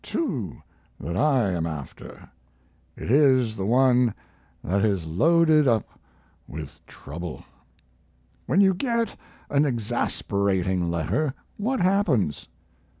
2 that I am after. It is the one that is loaded up with trouble. When you get an exasperating letter what happens?